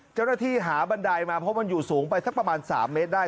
เจ้าหน้าที่หาบันไดมาเพราะมันอยู่สูงไปสักประมาณ๓เมตรได้